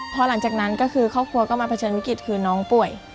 พอหลังจากนั้นก็คือครอบครัวก็มาเผชิญวิกฤตคือน้องป่วย